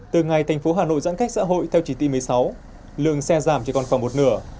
từ ngày thành phố hà nội giãn cách xã hội theo chỉ t một mươi sáu lượng xe giảm chỉ còn khoảng một nửa